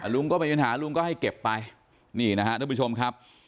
ลุงก็ไม่มีปัญหาลุงก็ให้เก็บไปนี่นะครับทุกผู้ชมครับ